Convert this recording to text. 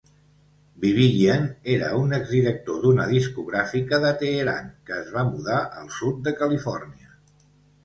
Bibiyan era un exdirector d'una discogràfica de Teheran que es va mudar al sud de Califòrnia.